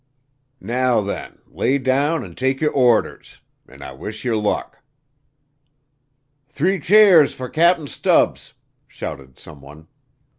"Now then, lay low an' take yer orders. An' I wish yer luck." "Three cheers fer Cap'n Stubbs," shouted someone.